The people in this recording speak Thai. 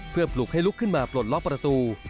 เพื่อปลุกให้ลุกขึ้นมาปลดล็อกประตู